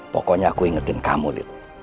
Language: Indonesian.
pokoknya aku ingetin kamu gitu